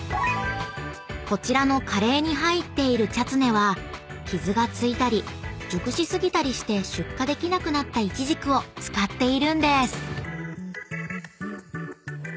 ［こちらのカレーに入っているチャツネは傷が付いたり熟し過ぎたりして出荷できなくなった無花果を使っているんです］